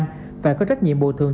phải có trách nhiệm bồi thường